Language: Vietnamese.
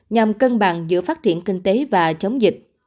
nhằm cân bằng giữa phát triển kinh tế và chống dịch